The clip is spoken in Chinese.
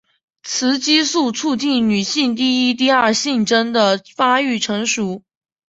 雌激素促进女性第一第二性征的发育成熟。